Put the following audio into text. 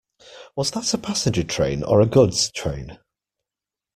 Was that a passenger train or a goods train?